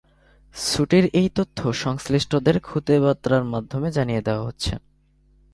ছুটির এই তথ্য সংশ্লিষ্টদের খুদে বার্তার মাধ্যমে জানিয়ে দেওয়া হচ্ছে।